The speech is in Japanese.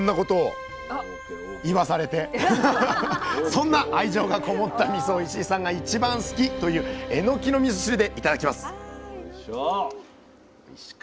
そんな愛情がこもったみそを石井さんが一番好き！というえのきのみそ汁でいただきます！